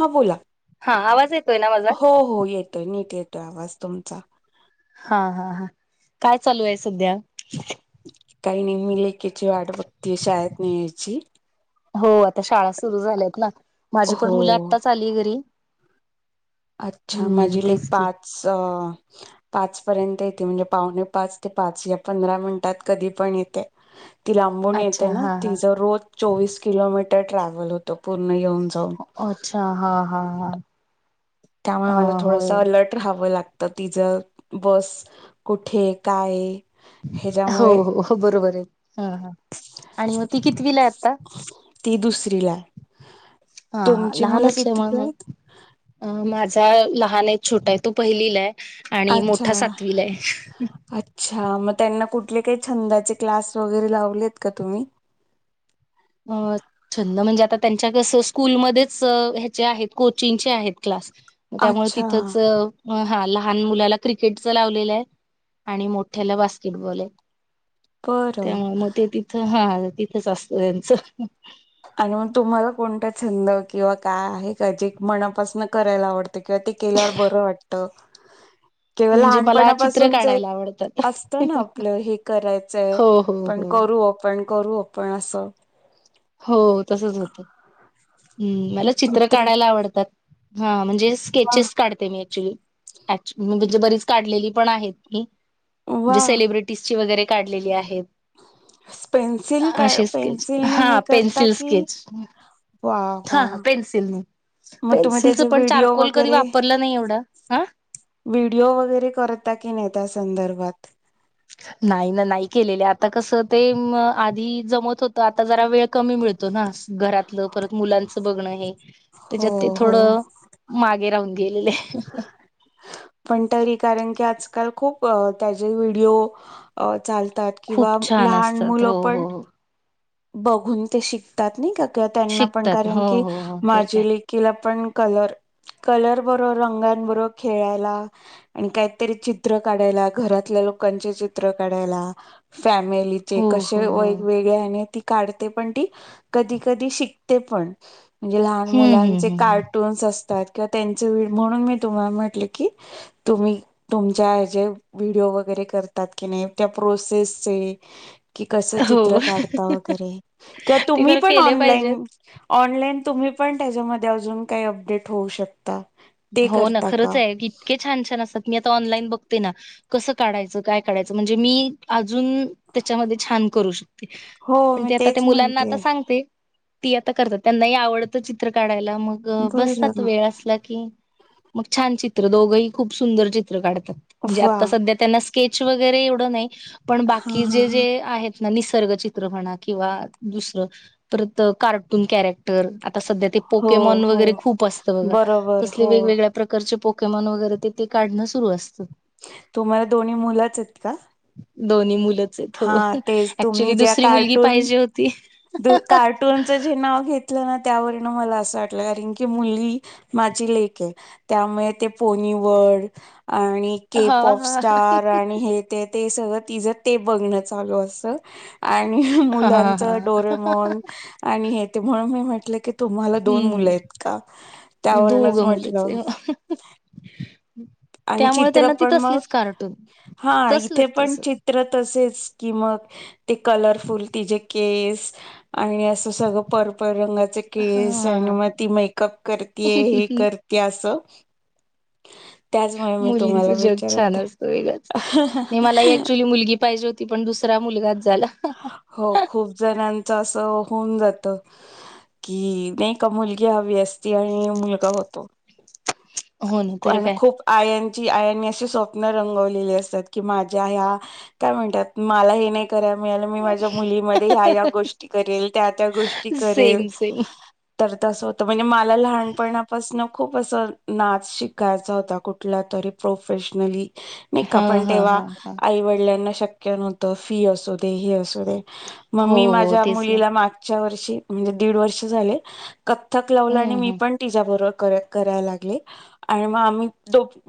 हा बोला. हा आवाज येत हो हो येतोय नीट येतोय आवाज तुमचा. हा हा हा काय चालू आहे सध्या? काही नाई मी लेखेची वाट बघते शाळेत न यायची. हो आता शाळा सुरू झाल्यात ना माझी पण हो मुलं आत्ताच आली घरी. अच्छा हम्म माझी लेक तेच की पाच अ [unintelligible] पाच पर्यंत येते म्हणजे पावणे पाच ते पाच या पंधरा मिनिटात कधी पण येते ती लांबून अच्छा येते ना हा हा. ति ज रोज चोवीस किलोमीटर ट्रॅव्हल होतं पूर्ण येऊन जाऊन अच्छा हा हा हा. त्यामुळे अ मला होय थोडस अलर्ट राहावं लाग त तिचं बस कुठे काय हो ह्याच्यामुळे हो हो बरोबर ए हा हा. आणि मग ती कितवीला ए आता? दिला हा लाहान असल्यामुळं मी अ माज जाय लहान हाय छोटा हाय तो पहिलीलाय आणि अच्छा. मोठा सातवीलाय. अच्छा मग त्यांना कुठले काही छंदाचे क्लास वगैरे लावलेत का तुम्ही? अ छंद म्हणजे आता त्यांच्या कस स्कूलमध्येच ह्याचे आहेत कोचिंगचे आहेत क्लास त्यामुळे अच्छा तिथंच म हा ला लहान मुलाला क्रिकेटच लावलेलं हाय आणि मोठ्याला बास्केटबॉल हाय. बरं त्यामुळे मग ते तिथं हा तिथच असत त्यांच. आणि मग तुम्हाला कोणता छंद किंवा काय आहे का जे मनापासून करायला आवडत किं ते केल्यावर बर वाटत? [unintelligible] केवळ म्हणजे मला चित्र लहानपणापासूनच एक काढायला आवडतात. असत ना आपलं हे करायचंय हो हो पण हो करू आपण करू आपण असं हो तसच होतं हम्म मला चित्र काढायला आवडतात. हा म्हणजे वा स्केचेस काढते मी ऍक्च्युली ऍक्च् म्हणजे बरीच काढलेली पण आहेत मी वा म्हणजे सेलिब्रिटीजची वगैरे काढलेली आहेत. पेन्सिल का अशी स्केच पेन्सिलनी हे हा करता पेन्सिल की स्केच वा हा वा हा पेनसिल ने. मग तुम्ही पेन्सिलचं त्याचे पण व्हिडिओ चारकोल कधी वगैरे वापरलं नाही एवढं अं. व्हिडिओ वगैरे करता की नाई त्या संदर्भात नाई ना नाई केलेले आता कस ते आधी जमत होत आता जरा वेळ कमी मिळतो ना घरात परत मुलांच बघण हो त्याच्यात ते हो थोडं मागे राहून गेलेले. पण तरी कारण की आजकाल खूप त्याचे व्हिडिओ चाल तात खूप किंवा छान लहान असतात मुलं हो पण हो हो बघून ते शिकतात नाई का का त्यांना पण शिकतात कारण हो की हो हो तर काय माझी लेकीला पण कलर कलर बरोबर रंग बरोबर खेळायला आणि काहीतरी चित्र काढायला घरातल्यां लोकांची चित्र काढायला फमिलीचे हो हो कशे हो वेगवेगळे आणि ती काढते पण ती कधी कधी शिकते पण. म्हणजे लहान हम्म हम्म मुलांचे हम्म कार्टून्स अस त्यात काय त्यांची म्हणून मी तुम्हाला म्हटले की तुम्ही तुमच्या हेचे विडिओ वगैरे करतात की नाई त्या प्रोसेस चे कि कस चित्र हो काढता वगैरे किंवा ते तुम्ही खरं पण केले पाहिजेत ऑनलाईन ऑनलाईन तुम्ही पण त्याच्यामध्ये अजून काही अपडेट होऊ शकता ते हो ना करता खरच का आहे इतके छान छान असतात मी आता ऑनलाईन बघ बघते ना की कस काढायचं काय काढायचं म्हणजे मी अजून त्याच्यामध्ये छान करू शकते हो पण मी ते आता ते तेच मुलांना म्हणते आता सांगते ती आता करतात त्यांनाही आवडतं चित्र काढायला मग बसतात बरं वेळ असला की मग छान चित्र दोघंही खूप सुंदर चित्र काढतात म्हणजे वा आता सध्या त्यांना स्केच वगैरे एवढ नाही पण हा बाकी हा जे हा जे आहेत निसर्ग चित्रपणा किंवा दुसर परत कार्टून कॅरेक्टर आता सध्या ते हो पोकेमॉन हो वगैरे खूप असतं बघा बरोबर तसले हो वेगवेगळ्या प्रकारचे पोकेमाॅन वगैरे ते ते काढण सुरु असत तुम्हाला दोन्ही मुलच आहेत का? दोन्ही मुली हा तेच तुम्ही ज्या मुलगी कार्टून पाहिजे होती. त कार्टूनच जे नाव घेत त्यावरन मला अस वाटल कारण की मुली माझी लेक आहे त्यामुळे ते पोनी निवड आणि के हा पाॅप हा स्टार आणि हे ते ते सगळ तिच ते बघणं चालू असत आणि हा मुलांच हा डोरेमन आणि य ते म्हणून मी म्हटलं की तुम्हाला दोन मुल हम्म आहेत का? त्यावरनच दोघं मुलंच म्हटलं आहे. आणि त्यामुळे चित्र त्यांना ती पण तसलीच मग कार्टून हा इथे तसलच पण तसच चित्र तसेच कि मग ते कलरफुल ति जे केस आणि अस सगळ पर्पल रंगाचे केस आणि हा मग ती मेकअप करतेय हे कर हे अस मुलींच तुम्हाला जग छान विचारत आहे. असत वेगळंच नाही मला ऍक्च्युली मुलगी पाहिजे हो ती पण दुसऱा मुलगाच झाला हो खूप जणांच अस होऊन जात कि नाही का मुलगी हवी असती आणि मुलगा होतो हो ना तर आणि काय खूप आयानची आयनशी सोप नरम बोली असतात की माझ्या या काय म्हणतात मला हे नाही करायला मिळाल मी माझ्या मुलीमध्ये ह्या ह्या गोष्टी करेल त्या त्या गोष्टी करेल सेम सेम तर तस होत म्हणजे मला लहानपणापासन खूप अस नाच शिकायचा होता कुठला तरी प्रोफेशनली नाही का हा पण हा तेव्हा हा हा आईवडिलांना शक्य नव्हतं फी असू दे हे असू दे म हो मी हो माझ्या तेच ना मुलीला मागच्या वर्षी म्हणजे दीड वर्ष झाले कथ्थक लावल आणि हम्म मी हम् पण तिच्या बरोबर कर करायला लागे आणि मग आम्ही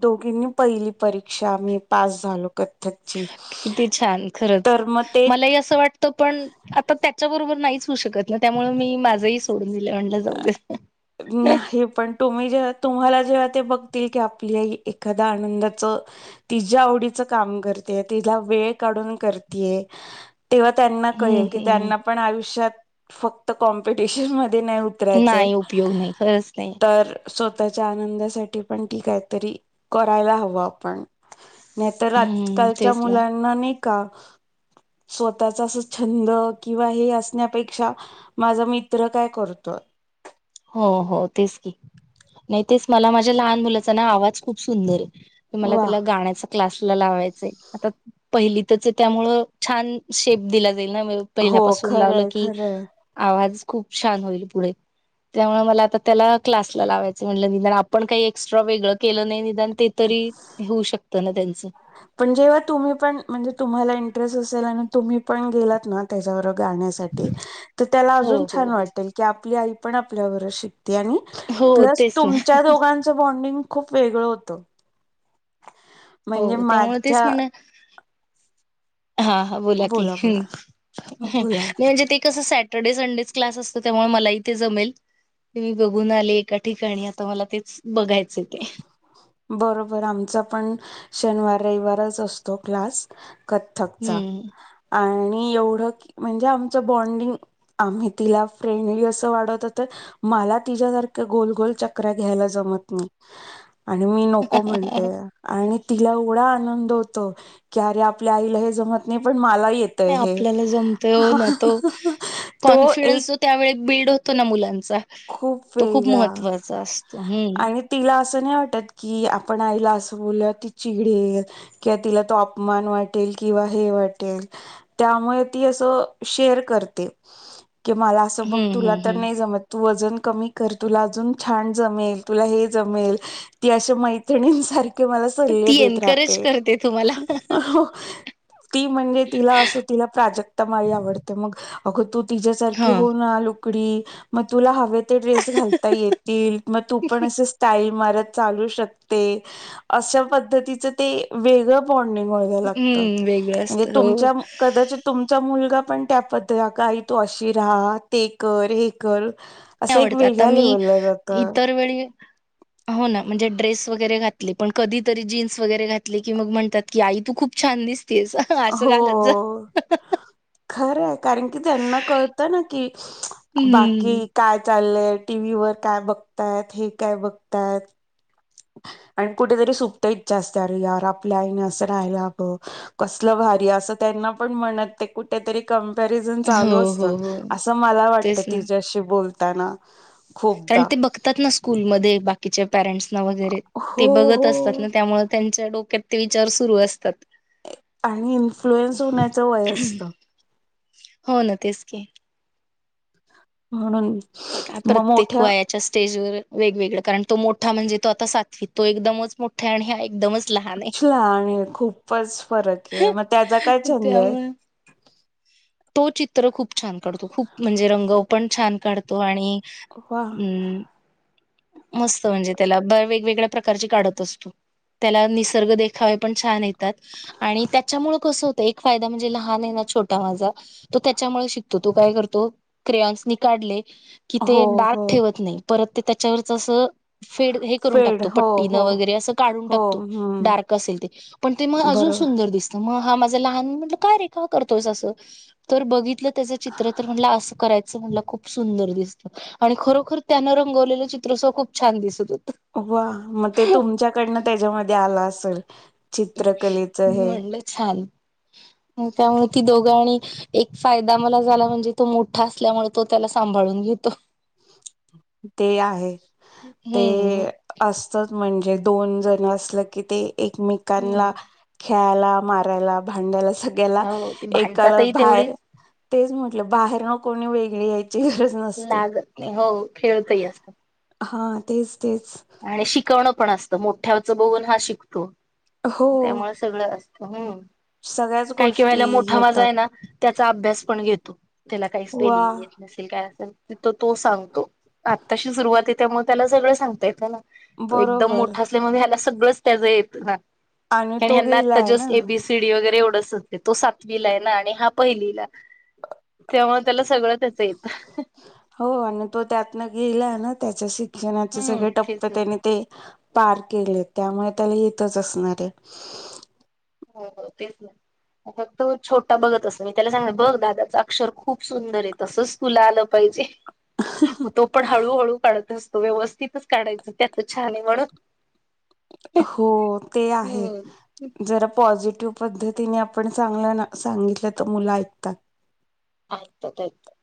दोघीनी पहिली परीक्षा आम्ही पास झालो कथ्थकची किती छान खरच तर मग ते मलाही असं वाटत पण आता त्या बरोबर नाहीच होऊ शकत ना त्यामुळे मी माझही सोड नाही पण तुम्ही जेव्हा तुम्हाला जेव्हा ते बघतिल की आपली आई एखादया आनंदाच तिच्या आवडीच काम करतेय तिला वेळ काढून करतेय तेव्हा त्यांना हम्म कळेल की हम्म त्यांना पण आयुष्यात फक्त कॉम्पिटिशन मध्ये नाही. कुत्र्याचे नाही उपयोग नाही खरंच नाही तर स्वतःच्या आनंदासाठी पण ठीकय तरी करायला हव आपण नाही तर हम्म आजकालच्या तेच ना मुलांना नाही का? स्वतःचा अस छंद किंवा हे असण्यापेक्षा माझा मित्र काय करतो. हो हो तेच की नाही तेच मला माझ्या लहान मुलाचा ना आवाज खूप सुंदर आहे. तुम्हाला वा त्याला गाण्याचा क्लास लावायचाय पहिलीतच आहे त्यामुळे छान शेप दिला. हो पहिल्यापासून लावलं खरंय की खरंय आवाज खूप छान होईल पुढे त्यामुळे मला आता त्याला क्लासला लावायचं म्हटलं निदान आपण काही एक्स्ट्रा वेगळं केलं नाही निदान ते तरी होऊ शकतं ना त्यांचं. पण जेव्हा तुम्ही पण म्हणजे तुम्हाला इंटरेस्ट असेल आणि तुम्ही पण गेलात ना त्याच्या बरोब गाण्यासाठी तर त्याला हो अजून छान हो हो वाटल की आपली आई पण आपल्या शि आणि हो प्लस तेच ना तुमच्या दोघांचं बॉ्डिंग खूप वेगळं होत. हो त्यामुळ तेच म्हणण. हा हा बोला की बोला म्हणजे ते कस स सॅटर्डे संडेच क्लास असतो त्यामुळे मला इथे जमेल. ते मी बघून आले एका ठिकाणी आता मला तेच बघायचे ते बरोबर आमचा पण शनिवार रविवारच असतो क्लास क्थकचा हम्म. आणि मी येवढ म्हणजे आमच बॉडिंग आम्ही तिया फ्रेंड आहे अस वाट्त होत. मला तिच्यासारख्या गोल गोल चक्र्या घ्यायला जमत नाही. आणि मी नको म्हणते आणि तिला एवढा आनंद होतो की अरे आपल्या आईला हे जमत नाही पण मला येतय हे. आपल्याला जमत ना तो तो एक कॉन्फिडन्स त्यावे बिल्ड होतो. मुलांचा खूप तो खूप वेगळा महत्त्वाचा असतो हम्म. आणि तिला असं नाही वाटत की आपण तिला अस ब ति चिडेल किंवा तिला तो अपमान वाटेल किंवा हे वाटेल. त्यामुळे ती अस शेअर करते की मला अस बघ हम्म तुला हम्म तर नाही हम्म जम वजन कमी कर तुला अजुन छान जमेल तुला हे जमेल ती अस मैत्रिणी सारख. मला सल्ले ती देत एनकरेज राहते करते तुम्हाला हो. ती म्हणजे तिला असं तिला प्राजक्ता माळी आवडते मग अगं तू तिच्या्यासारखी हा. होऊ ना लुकडी मग तुला हवे. ड्रेस घालता येतील मग तू पण अस स्टाइल मारत. चालू शकते अशा पद्धतीच ते वेगळ. बॉडिंग व्हायला लागत हम्म वेगळं म्हणजे असतं हो तुमचा नाही कदाचित तुमचा मुलगा पण त्या पद्ध का तू अशी राहा ते कर हे कर. नाही असं एक आवडत आता वेगळ्या मी लेवलला जातं इतर वेळी हो ना. म्हणजे ड्रेस वगैरे घातले पण कधी तरी जीन्स वगैरे घातले की मग म्हणतात की आई तू खूप छान दिस हो खरंय कारण की त्यांना कळतं ना की बाकी हम्म काय चाललं. टी वी वर काय बघतयात हे काय बघतात. आणि कुठेतरी सुपत इच्छा असते अरे यार आपल्या आईने असं रहायला हव कसल अरे अस त्यांना पण मनात ते कुठेतरी कम. तरी जण हो चालू हो असतात हो अस मला वाटत तेच ना तिच्याशि बोलताना कारण खूपदा ते बघतात ना स्कूलमध्ये बाकीच्या पेरेंट्सना वगैरे ते हो बघत असतात हो ना त्यामुळे त्यांच्या डोक्यात ते विचार सुरू असतात. आणि इन्फ्लुएन्स होण्याचं वय असत. हो ना तेच की म्हणून मग प्रत्येक मोठ्या वयाच्या स्टेजवर वेगवेगळ कारण तो मोठा म्हणजे तो आता सात तो एकदमच मोठा आहे आणि हा एकदमच. लहान आहे अच्छा आणि खूपच फरक आहे. मग त्याचा काय छंद आहे. त्यामुळे तो चित्र खूप छान काढतो. खूप म्हणजे रंग पण छान काढतो आणि. वा हम्म. मस्त म्हणजे त्याला वेगवेगळ्या प्रकारची काढत असतो. त्याला निसर्ग देखावे पण छान येतात. आणि त्याच्यामुळे कसं होतं एक फायदा म्हणजे लहान ये ना. छोटा माझा तो त्याच्यामुळे शिकतो. तो काय करतो क्रेयानस ने काढले. कि हो ते डार्क हो ठेवत नाही. परत ते त्याच्यावरच असं. फेड हे करून फेड टाकतो. हो पट्टीनं हो वगैरे असं काढून हो टाकतो हम्म डार्क असेल ते पण ते मग अजून. बरोबर सुंदर दिसत म. हा माझं लहान म काय रे काय करतोस असं तर बघितलं त्याच चित्र तर म्हटलं असं करायचं. अस म्हणला खूप सुंदर दिसत. आणि खरोखर त्यानं रंगवलेलं चित्र सुद्धा खूप छान दिसत होत. वा मग ते तुमच्याकडनं त्याच्यामध्ये आलं असेल. चित्रकलेचं हे म्हणलं छान त्यामुळे ती दोघां आणि एक फायदा मला झाला म्हणजे तो मोठा असल्यामुळे तो त्याला सांभाळून घेतो. ते ही आहे ते हम्म असत म्हणजे. जे दोन जण असल की ते हम्म एकमेकांना खेळाला मारायला भांडायला. सगळ्याला हो ती एकाला भांडतातही तेवढी बाहेर तेच म्हटलं बाहेर ना कोणी वेगळी. गरज नसते. लागत नाही हो खेळतही असत. हा तेच. तेच आणि शिकवणं पण असतं मोठ्याचं बघून हा शिकतो. [inaudible] त्यामुळ सगळं अस [unintelligible] होय. सगळ्या काही काही वेळेला मोठा आवाज आहे ना त्याचा अभ्यास पण घेतो. त्याला काही वा स्पेलिंग येत नसेल काय असे तर तिथं तो सांगतो. आत्ताशी सुरुवात येत त्यामुळे त्याला सगळं सांगता येतं ना. तो एकदम बरोबर मोठा असल्यामुळं ह्याला सगळंच त्याच येत हा. [inaudible] आणि तो हेंना आता गेलाय ना just A, B, C, D वगैरे एवढसच. तो सातवीला आहे ना आणि हा पहिलीला. [inaudible] तेव्हा त्याला सगळं त्याच येतं. [inaudible] म गेला ना त्याच्या शिक्षणाचे हम्म सगळे तेच टप्पे ना त्यानी ते पार केलेत त्यामुळे अता इथंच असणार आहेत. हो हो तेच ना. आता तो छोटा बघत असल त्याला सांगनार बघ दादाच अक्षर खूप सुंदर आहे. तसंच तुला आलं पाहिजे. [inaudible] मग तो पण हळूहळू काढत अस व्यवस्थितच काढायच त्याच छान आहे म्हण. हो ते आहे. जरा पॉझि टिव्ह पद्धतीने आपण सांगा ना. सांगितलं तर मुलं ऐकतात. ऐकतात, ऐकतात.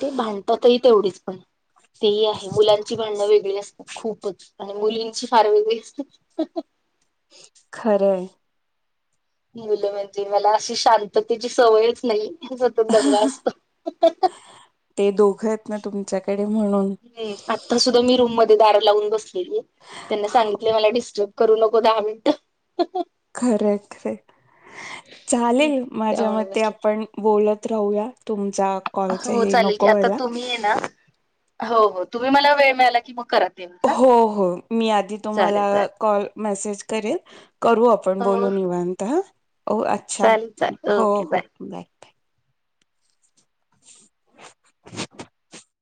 ते भांडतातही तेवढीच पण तेही आहे मुलांची भांडणं वेगळी नस खूपच आणि मुलींची फार वेगळी असते. [inaudible] खरं हाय. मुलं म्हणजे मला अशी शांततेची सवयच नाही. इथं सतत दंगा असतो. [inaudible] ते दोघं आहेत ना तुमच्याकडे म्हणून हम आता सुद्धा मी रूममध्ये. दार लावून बसलेली. त्यांना सांगितले मला डिस्टर्ब करू नको दहा मिनट. खरे-खरे चालेल माझ्या त्यामुळे मते बसले आपण बोलत. राहूया. तुमचा कॉलच हो हे चालेल की नको आता व्हायला. तुम्ही आहे ना हो. हो तुम्ही मला वेळ मिळाला की मग करा. तेव्हा हा हो हो मी आधी तुम्हाला चालेल चालेल कॉल मेसेज करेल करू आपण हो बोलू निवांत हा अच्छा चालेल चालेल हो ओके हो बाय. [inaudible]